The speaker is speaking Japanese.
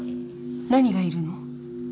何がいるの？